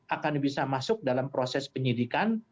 akan bisa masuk dalam proses penyidikan